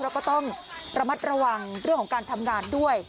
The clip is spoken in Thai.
แล้วก็ต้องระมัดระวังเรื่องของการทำงานด้วย